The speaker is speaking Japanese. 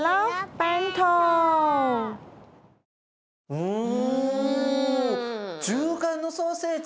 うん。